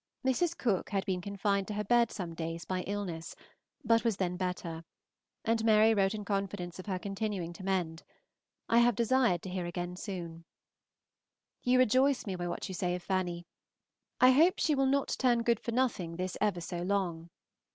Mrs. Cooke had been confined to her bed some days by illness, but was then better, and Mary wrote in confidence of her continuing to mend. I have desired to hear again soon. You rejoice me by what you say of Fanny. I hope she will not turn good for nothing this ever so long.